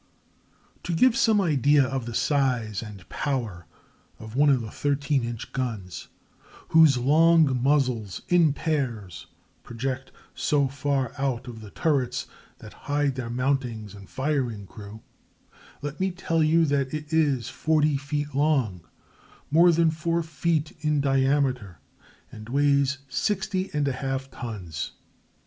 ] To give some idea of the size and power of one of the 13 inch guns, whose long muzzles, in pairs, project so far out of the turrets that hide their mountings and firing crew, let me tell you that it is 40 feet long, more than 4 feet in diameter, and weighs 60½ tons.